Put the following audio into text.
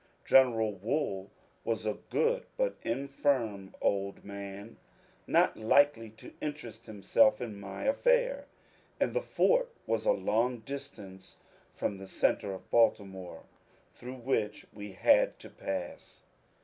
General Wool was a good but infirm old man, not likely to interest himself in my affair, and the fort was a long distance from the centre of Baltimore, through which we had to pass.